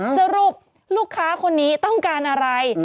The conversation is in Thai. สรุปลูกค้าคนนี้ต้องการอะไร